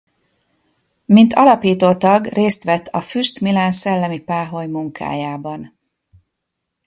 Mint alapító tag részt vett a Füst Milán Szellemi Páholy munkájában.